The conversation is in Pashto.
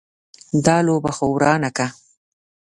دا لوبه خو ورانه که.